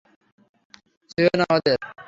ছুঁয়ো না ওদের।